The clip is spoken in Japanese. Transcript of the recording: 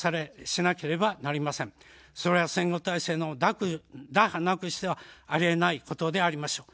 それは戦後体制の打破なくしてはあり得ないことでありましょう。